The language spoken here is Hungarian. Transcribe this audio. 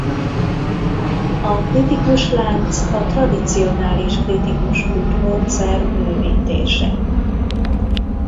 A kritikus lánc a tradicionális kritikus út módszer bővítése.